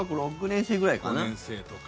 ５年生とか。